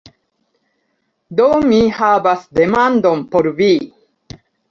Do, mi havas demandon por vi